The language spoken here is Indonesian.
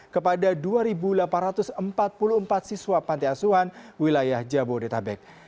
kepada dua delapan ratus empat puluh empat siswa pantai asuhan wilayah jabodetabek